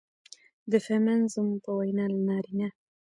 د فيمينزم په وينا نارينه